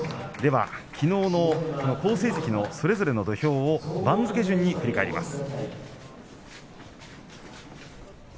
きのうの好成績のそれぞれの土俵を番付順に振り返ります。